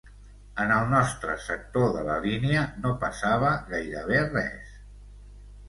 En el nostre sector de la línia no passava gairebé res.